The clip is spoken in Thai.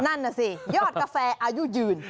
นั่นน่ะสิยอดกาแฟอายุยืน